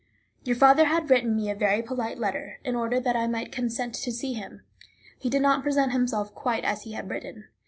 Your father had written me a very polite letter, in order that I might consent to see him; he did not present himself quite as he had written.